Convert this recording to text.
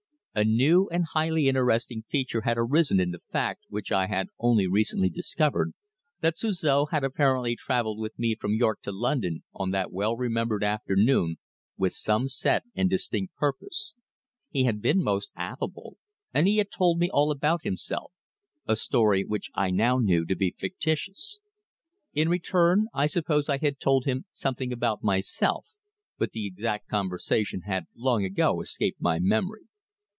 A new and highly interesting feature had arisen in the fact which I had only recently discovered, that Suzor had apparently travelled with me from York to London on that well remembered afternoon with some set and distinct purpose. He had been most affable, and he had told me all about himself a story which I now knew to be fictitious. In return, I suppose I had told him something about myself, but the exact conversation had long ago escaped my memory.